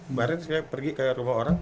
kemarin saya pergi ke rumah orang